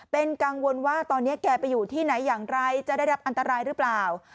เป็นกังวลว่าตอนนี้แกไปอยู่ที่ไหนอย่างไรจะได้รับอันตรายหรือเปล่า